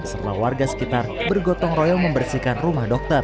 serta warga sekitar bergotong royong membersihkan rumah dokter